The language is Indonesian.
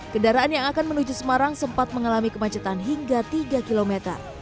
kendaraan yang akan menuju semarang sempat mengalami kemacetan hingga tiga km